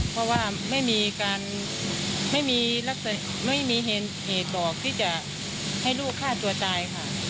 เพราะว่าไม่มีเหตุออกที่จะให้ลูกฆ่าตัวตายค่ะ